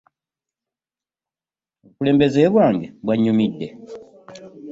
Obukulembeze bwange bwanyumidde .